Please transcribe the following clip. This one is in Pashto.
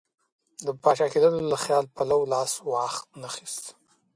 د پاچا کېدلو له خیال پلو لاس وانه خیست.